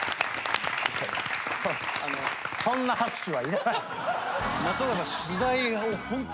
そんな拍手はいらない！